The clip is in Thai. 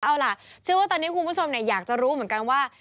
เอาล่ะเชื่อว่าตอนนี้คุณผู้ชมอยากจะรู้เหมือนกันว่า